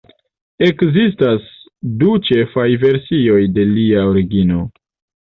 Ekzistas du ĉefaj versioj de lia origino.